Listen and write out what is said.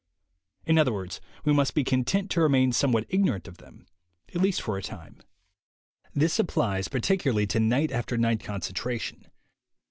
In other words, we must be content to remain somewhat ignorant of them, at least for a time. This applies particularly to night after night concentration.